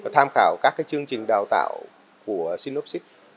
tham khảo các chương trình đào tạo của synopsis